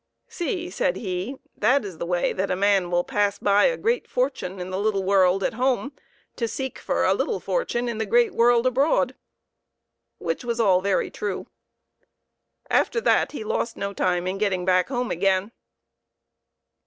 " See," said he, " that is the way that a man will pass by a great fortune in the little world at home to seek for a little fortune in the great world abroad" which was all very true. After that he lost no time in getting back home again.